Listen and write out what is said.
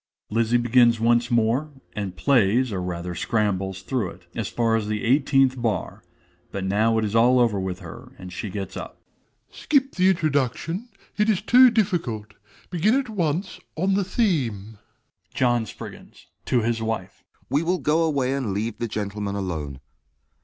(_Lizzie begins once more, and plays or rather scrambles through it, as far as the eighteenth bar; but now it is all over with her, and she gets up._) DOMINIE. Skip the introduction, it is too difficult: begin at once on the theme. JOHN S. (to his wife). We will go away and leave the gentlemen alone.